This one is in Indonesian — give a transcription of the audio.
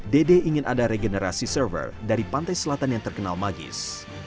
dede ingin ada regenerasi server dari pantai selatan yang terkenal magis